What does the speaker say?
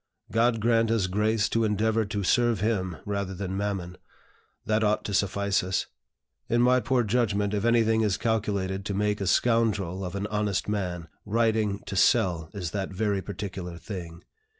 God grant us grace to endeavor to serve Him rather than Mammon, that ought to suffice us. In my poor judgment, if anything is calculated to make a scoundrel of an honest man, writing to sell is that very particular thing.